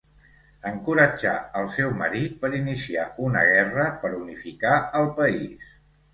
Encoratjà el seu marit per iniciar una guerra per unificar el país.